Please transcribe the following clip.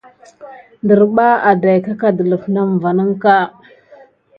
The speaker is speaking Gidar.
Nderɓa tät ɗay akà delif mis ŋderba hiki.